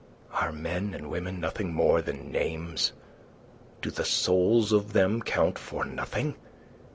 "Are men and women nothing more than names? Do the souls of them count for nothing?